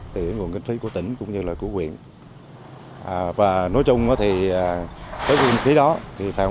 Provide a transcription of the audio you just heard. từ nguồn kinh phí của tỉnh cũng như là của quyền và nói chung thì tới nguồn kinh phí đó thì phạm